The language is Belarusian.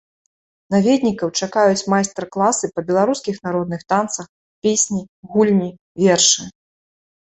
Наведнікаў чакаюць майстар-класы па беларускіх народных танцах, песні, гульні, вершы.